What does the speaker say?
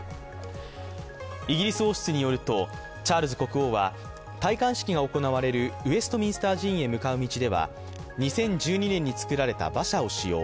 イギリス王室によると、チャールズ国王は戴冠式が行われるウエストミンスター寺院へ向かう道では２０１２年につくられた馬車を使用。